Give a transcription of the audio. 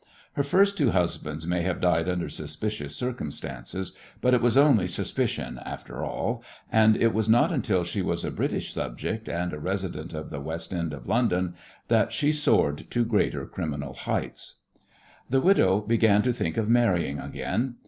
Her first two husbands may have died under suspicious circumstances, but it was only suspicion after all, and it was not until she was a British subject and a resident in the West End of London that she soared to greater criminal heights. The widow began to think of marrying again.